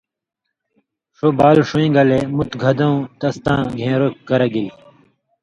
ݜُو بال ݜُون٘یں گلے مُت گھداؤں تس تاں گھېن٘رو کرہ گِلیۡ ۔